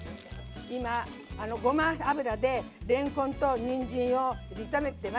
今あのごま油でれんこんとにんじんを炒めてます。